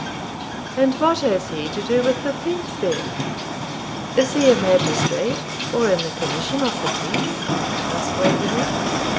'And what has he to do with the thieves, then? Is he a magistrate, or in the commission of the peace?' asked Waverley.